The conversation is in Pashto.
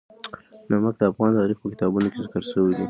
نمک د افغان تاریخ په کتابونو کې ذکر شوی دي.